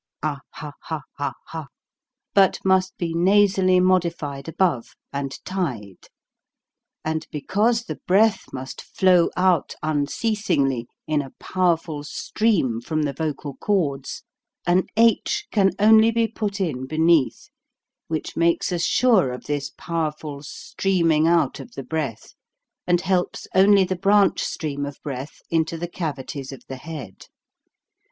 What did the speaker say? ah ha ha ha ha but must be nasally modified above, and tied; and because the breath must flow out unceasingly in a powerful stream from the vocal cords, an h can only be put in beneath, which makes us sure of this powerful stream ing out of the breath, and helps only the branch stream of breath into the cavities of the head.